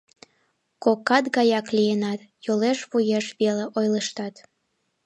Кокат гаяк лийынат, йолеш-вуеш веле ойлыштат.